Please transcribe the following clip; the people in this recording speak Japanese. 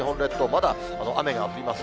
まだ、雨が降ります。